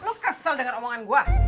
lo kesel denger omongan gua